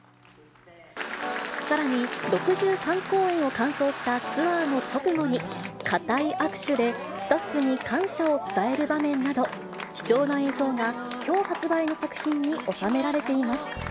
さらに、６３公演を完走したツアーの直後に、固い握手でスタッフに感謝を伝える場面など、貴重な映像が、きょう発売の作品に収められています。